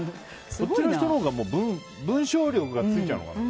こっちの人のほうが文章力がついちゃうのかな。